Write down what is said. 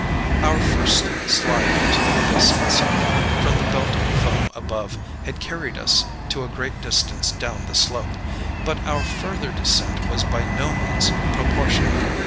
"Our first slide into the abyss itself, from the belt of foam above, had carried us to a great distance down the slope; but our further descent was by no means proportionate.